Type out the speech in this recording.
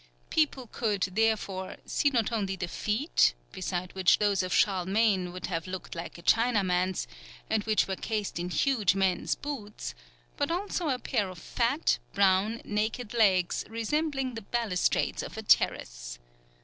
People could, therefore, see not only the feet, beside which those of Charlemagne would have looked like a Chinaman's, and which were cased in huge men's boots, but also a pair of fat, brown, naked legs resembling the balustrades of a terrace.